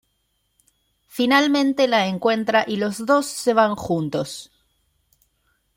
Finalmente la encuentra y los dos se van juntos.